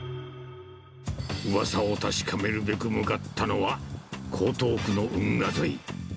うわさを確かめるべく向かったのは、江東区の運河沿い。